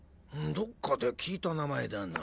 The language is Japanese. どっかで聞いた名前だな。